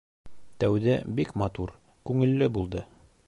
Тәүҙә бик матур, күңелле булды.